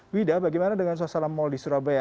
wida bagaimana dengan suasana mal di surabaya